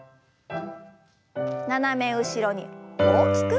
斜め後ろに大きく。